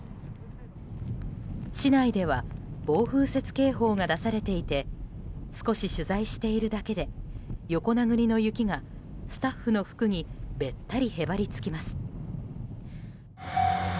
市内では暴風雪警報が出されていて少し取材しているだけで横殴りの雪がスタッフの服にべったりへばりつきます。